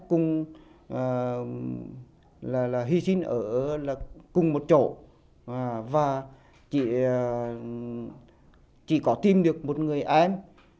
nhưng hy sinh ở cùng một chỗ và chỉ có tìm được một người em